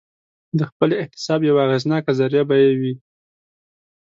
د خپل احتساب یوه اغېزناکه ذریعه به یې وي.